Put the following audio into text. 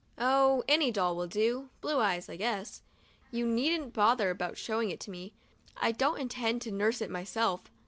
"Oh, any doll will do. Blue eyes, I guess. You needn't bother about showing it to me, I don't intend to nurse it myself.